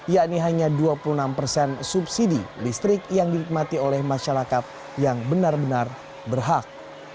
yakni hanya dua puluh enam persen subsidi listrik yang dinikmati oleh masyarakat yang benar benar berhak